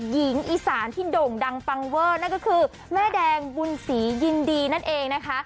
หญิงอีสานที่โด่งดังปังเวอร์นั่นก็คือแม่แดงบุญศรียินดีนั่นเองนะคะ